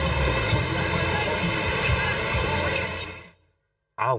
ทำใหญ่แค่นี้ในเธอกับฉันทั้งแหล่ง